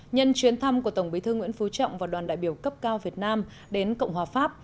nhân chuyến thăm của tổng bí thư nguyễn phú trọng và đoàn đại biểu cấp cao việt nam đến cộng hòa pháp